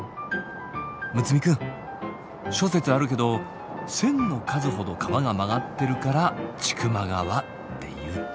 睦弥くん諸説あるけど千の数ほど川が曲がってるから千曲川っていうって。